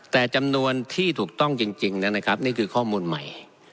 แต่จำนวนที่ถูกต้องจริงนะครับนี่คือข้อมูลใหม่